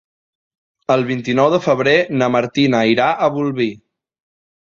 El vint-i-nou de febrer na Martina irà a Bolvir.